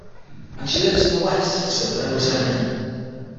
And she lives in the West, so there was her name.